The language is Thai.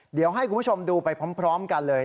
เดี๋ยวให้คุณผู้ชมดูไปพร้อมกันเลย